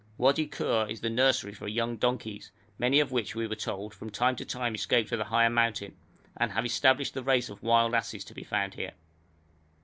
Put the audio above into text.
Wadi Khur is the nursery for young donkeys, many of which, we were told, from time to time escape to the higher mountain, and have established the race of wild asses to be found here.